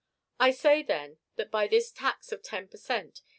I say, then, that by this tax of ten per cent.